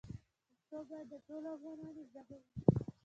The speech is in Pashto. پښتو باید د ټولو افغانانو ژبه وي.